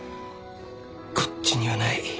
こっちにはない。